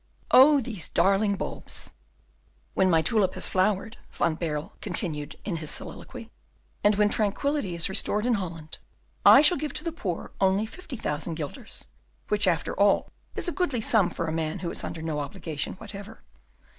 "Oh! these darling bulbs! "When my tulip has flowered," Baerle continued in his soliloquy, "and when tranquillity is restored in Holland, I shall give to the poor only fifty thousand guilders, which, after all, is a goodly sum for a man who is under no obligation whatever.